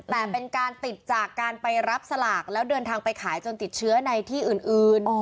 แต่เป็นการติดจากการไปรับสลากแล้วเดินทางไปขายจนติดเชื้อในที่อื่น